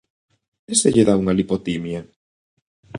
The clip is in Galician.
E se lle dá unha lipotimia?